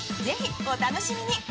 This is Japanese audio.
ぜひお楽しみに！